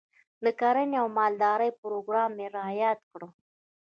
د کرنې او مالدارۍ پروګرام رایاد کړ.